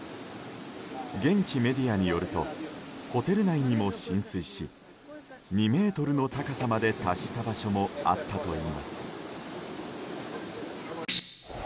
現地メディアによるとホテル内にも浸水し２ｍの高さまで達した場所もあったといいます。